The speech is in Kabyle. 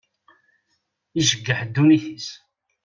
Ijeggeḥ ddunit-is.